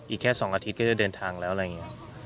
อีกแค่๒อาทิตย์ก็จะเดินทางแล้วอะไรอย่างนี้